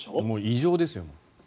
もう異常ですよ。